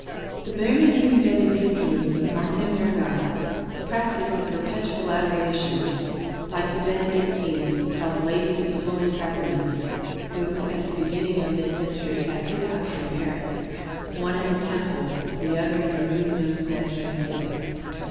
The Bernardines Benedictines of Martin Verga practise the Perpetual Adoration, like the Benedictines called Ladies of the Holy Sacrament, who, at the beginning of this century, had two houses in Paris,—one at the Temple, the other in the Rue Neuve Sainte Geneviève.